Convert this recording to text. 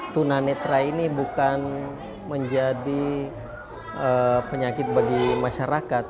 tunanetra ini bukan menjadi penyakit bagi masyarakat